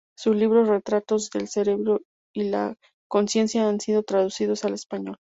Sus libros "Retrato del cerebro" y "La consciencia" han sido traducidos al español.